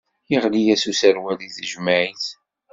Iɣli-yas userwal di tejmaɛit.